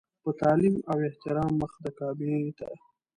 په تعلیم او احترام مخ د کعبې ته.